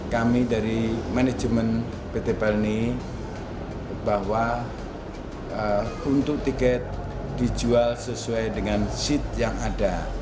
kami dari manajemen pt pelni bahwa untuk tiket dijual sesuai dengan seat yang ada